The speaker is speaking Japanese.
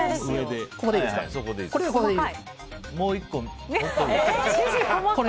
もう１個。